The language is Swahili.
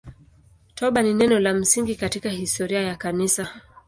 Toba ni neno la msingi katika historia ya Kanisa.